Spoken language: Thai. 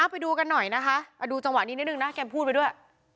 ไปดูกันหน่อยนะคะดูจังหวะนี้นิดนึงนะแกพูดไปด้วย